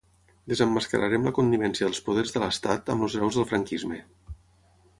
Desemmascararem la connivència dels poders de l’estat amb els hereus del franquisme.